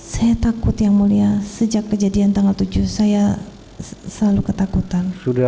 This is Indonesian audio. saya takut yang mulia sejak kejadian tanggal tujuh saya selalu ketakutan